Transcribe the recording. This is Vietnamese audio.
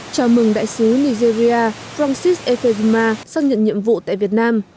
chào mừng đại sứ nigeria francis efeduma xác nhận nhiệm vụ tại việt nam